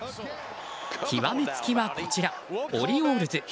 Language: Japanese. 極め付きは、こちらオリオールズ。